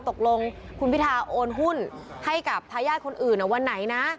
ตกลงคุณพิทาโอนหุ้นให้กับทายาทคนอื่นวันไหนนะ